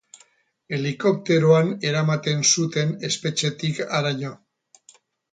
Helikopteroan eramaten zuten espetxetik haraino.